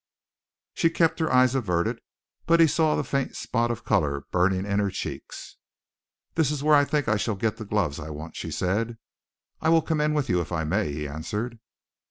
She kept her eyes averted, but he saw the faint spot of color burning in her cheeks. "This is where I think I shall get the gloves I want," she said. "I will come in with you, if I may," he answered.